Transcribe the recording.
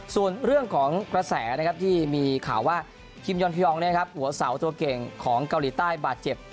ส่วนเรื่องของกระแสนะครับที่มีข่าวว่าคิมยอนพยองหัวเสาตัวเก่งของเกาหลีใต้บาดเจ็บ